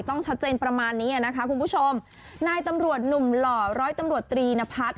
ต้องชัดเจนประมาณนี้อ่ะนะคะคุณผู้ชมนายตำรวจหนุ่มหล่อร้อยตำรวจตรีนพัฒน์